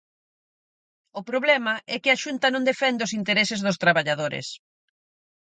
O problema é que a Xunta non defende os intereses dos traballadores.